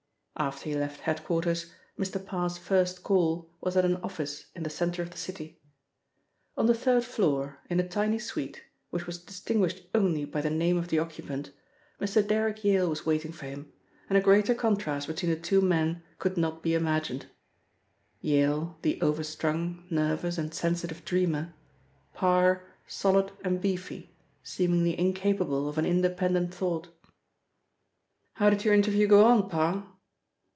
After he left head quarters, Mr. Parr's first call was at an office in the centre of the city. On the third floor, in a tiny suite, which was distinguished only by the name of the occupant, Mr. Derrick Yale was waiting for him, and a greater contrast between the two men could not be imagined. Yale, the overstrung, nervous, and sensitive dreamer; Parr, solid and beefy, seemingly incapable of an independent thought. "How did your interview go on, Parr?"